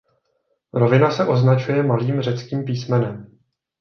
Rovina se označuje malým řeckým písmenem.